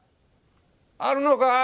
あるのか？